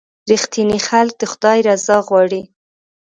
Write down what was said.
• رښتیني خلک د خدای رضا غواړي.